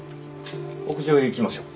屋上へ行きましょう。